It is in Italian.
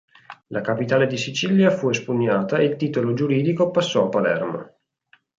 La capitale di Sicilia fu espugnata e il titolo giuridico passò a Palermo.